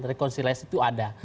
rekonsilasi itu ada